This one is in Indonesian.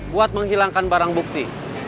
buat menghilangkan barang bukti